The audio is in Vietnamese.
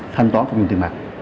thanh toán công dân tiền mặt